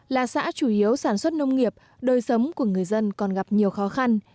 là xã chủ yếu sản xuất nông nghiệp đời sống của người dân còn gặp nhiều khó khăn